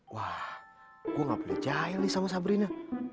wah gue gak punya jahil nih sama sabrina